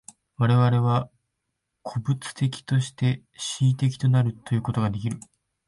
我々は個物的として思惟的となるということができる。